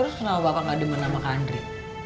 terus kenapa gak denger nama kak andri